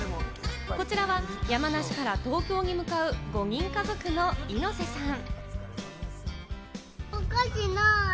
こちらは山梨から東京に向かう５人家族の井野瀬さん。